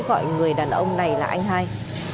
gọi người đàn ông này là anh hai